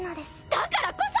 だからこそ！